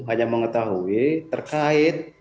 hanya mengetahui terkait